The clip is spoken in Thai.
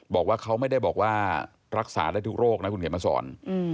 บอกว่าเขาไม่ได้บอกว่ารักษาได้ทุกโรคนะคุณเขียนมาสอน